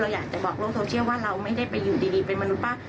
เราอยากจะบอกที่โลกโซเชียลว่าเราไม่ได้ไปอยู่ไปมนุษย์ป่ะ